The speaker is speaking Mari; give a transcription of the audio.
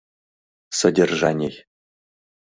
СОДЕРЖАНИЙ